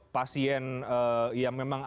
pasien yang memang ada